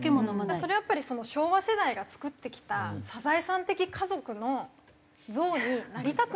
それはやっぱり昭和世代が作ってきた『サザエさん』的家族の像になりたくないって事なんですよ。